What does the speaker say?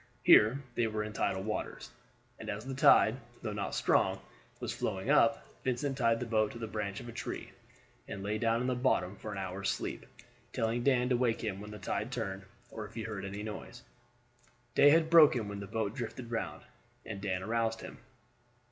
Here they were in tidal waters; and as the tide, though not strong, was flowing up, Vincent tied the boat to the branch of a tree, and lay down in the bottom for an hour's sleep, telling Dan to wake him when the tide turned, or if he heard any noise. Day had broken when the boat drifted round, and Dan aroused him.